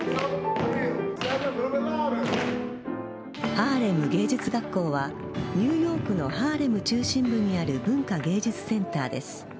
ハーレム芸術学校はニューヨークのハーレム中心部にある文化芸術センターです。